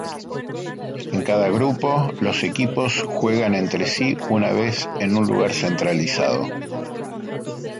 En cada grupo, los equipos juegan entre sí una vez en un lugar centralizado.